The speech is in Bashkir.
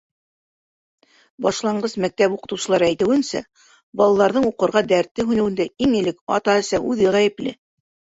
Башланғыс мәктәп уҡытыусылары әйтеүенсә, балаларҙың уҡырға дәрте һүнеүендә иң элек ата-әсә үҙе ғәйепле.